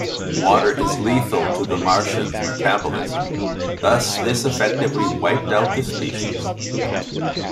Water is lethal to the Martians' metabolism, thus this effectively wiped out the species.